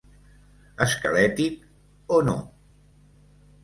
Esquelètic, o no?